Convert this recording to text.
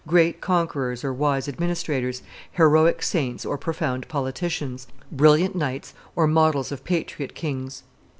great conquerors or wise administrators, heroic saints or profound politicians, brilliant knights or models of patriot kings.